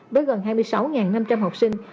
với gần hai mươi sáu năm trăm linh học sinh